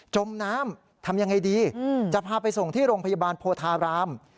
จมน้ำทำยังไงดีจะพาไปส่งที่โรงพยาบาลโพธาราม